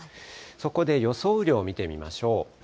そこで予想雨量見てみましょう。